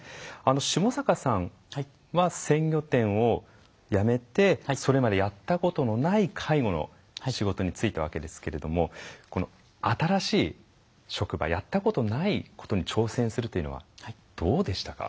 下坂さんは鮮魚店をやめてそれまでやったことのない介護の仕事に就いたわけですけれども新しい職場やったことないことに挑戦するというのはどうでしたか？